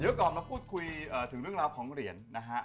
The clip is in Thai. เดี๋ยวก่อนมาพูดคุยถึงเรื่องราวของเหรียญนะฮะ